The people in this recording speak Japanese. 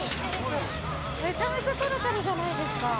めちゃめちゃ取れてるじゃないですか。